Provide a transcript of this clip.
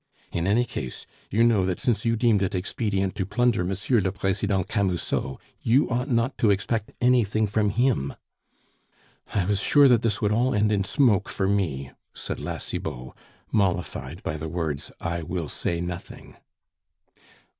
In any case, you know that since you deemed it expedient to plunder M. le President Camusot, you ought not to expect anything from him." "I was sure that this would all end in smoke, for me," said La Cibot, mollified by the words "I will say nothing."